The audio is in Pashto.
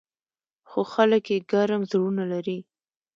خو خلک یې ګرم زړونه لري.